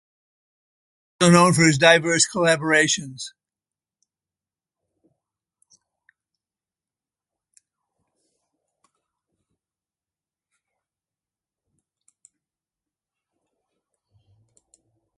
He is also known for his diverse collaborations.